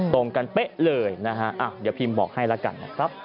ตรงกันเป๊ะเลยนะฮะเดี๋ยวพิมพ์บอกให้แล้วกันนะครับ